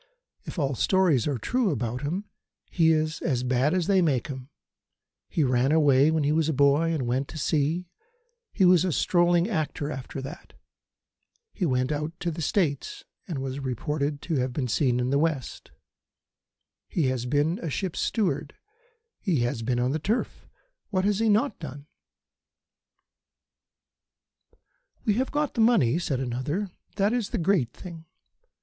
If all stories are true about him he is as bad as they make 'em. He ran away when he was a boy, and went to sea: he was a strolling actor after that: he went out to the States and was reported to have been seen in the West: he has been a ship's steward: he has been on the turf. What has he not been?" "We have got the money," said another; "that is the great thing.